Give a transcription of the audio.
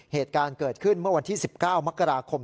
เหตุการณ์เกิดขึ้นเมื่อวันที่๑๙มกราคม